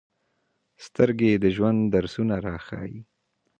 سترګې د ژوند درسونه راښيي